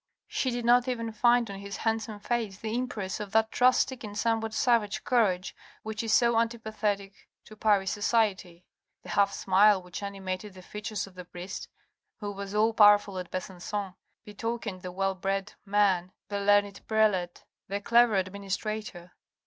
She did not even find on his handsome face the impress of that drastic and somewhat savage courage which is so anti pathetic to Paris society. The half smile which animated the features of the priest, who was all powerful at Besancon, betokened the well bred man, the learned prelate, the clever administrator.